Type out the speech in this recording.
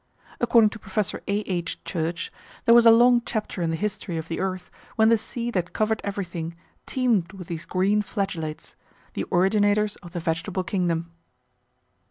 According to Prof. A. H. Church there was a long chapter in the history of the earth when the sea that covered everything teemed with these green flagellates the originators of the Vegetable Kingdom.